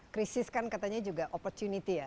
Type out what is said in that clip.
krisis kan katanya juga opportunity ya